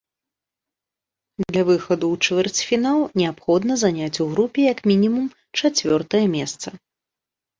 Для выхаду ў чвэрцьфінал неабходна заняць у групе як мінімум чацвёртае месца.